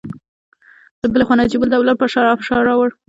له بلې خوا نجیب الدوله پر شاه فشار اچاوه.